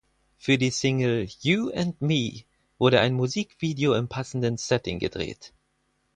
Für die Single "You and Me" wurde ein Musikvideo im passenden Setting gedreht.